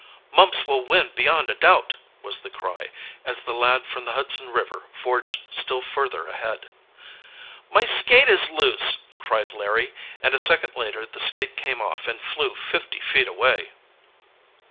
"Mumps will win beyond a doubt!" was the cry, as the lad from the Hudson River forged still further ahead. "My skate is loose!" cried Larry, and a second later the skate came off and flew fifty feet away.